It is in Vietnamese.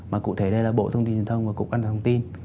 mà cụ thể đây là bộ thông tin truyền thông và cộng quan thông tin